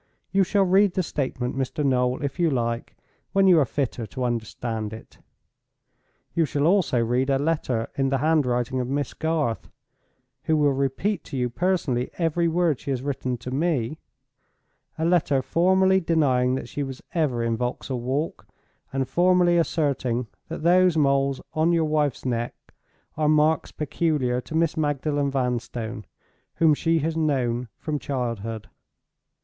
You shall read the statement, Mr. Noel, if you like, when you are fitter to understand it. You shall also read a letter in the handwriting of Miss Garth—who will repeat to you personally every word she has written to me—a letter formally denying that she was ever in Vauxhall Walk, and formally asserting that those moles on your wife's neck are marks peculiar to Miss Magdalen Vanstone, whom she has known from childhood.